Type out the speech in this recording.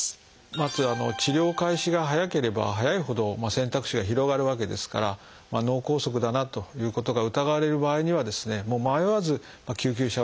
まず治療開始が早ければ早いほど選択肢が広がるわけですから脳梗塞だなということが疑われる場合にはですねもう迷わず救急車を呼んでいただきたいというふうに思います。